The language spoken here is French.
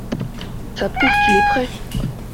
Ca prouve qu’il est prêt !